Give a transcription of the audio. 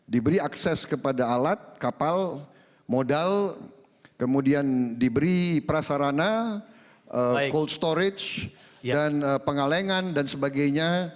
diberi akses kepada alat kapal modal kemudian diberi prasarana cold storage dan pengalengan dan sebagainya